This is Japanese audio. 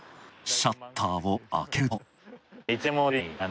シャッターを開けると。